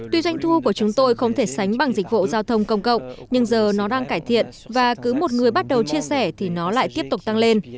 tuy doanh thu của chúng tôi không thể sánh bằng dịch vụ giao thông công cộng nhưng giờ nó đang cải thiện và cứ một người bắt đầu chia sẻ thì nó lại tiếp tục tăng lên